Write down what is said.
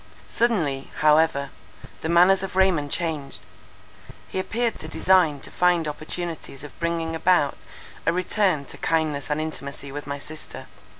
Suddenly, however, the manners of Raymond changed; he appeared to desire to find opportunities of bringing about a return to kindness and intimacy with my sister.